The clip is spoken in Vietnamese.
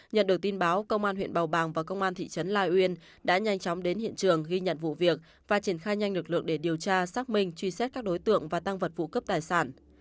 nhận được tin báo công an huyện bào bàng và công an thị trấn lai uyên đã nhanh chóng đến hiện trường ghi nhận vụ việc và triển khai nhanh lực lượng để điều tra xác minh truy xét các đối tượng và tăng vật vụ cướp tài sản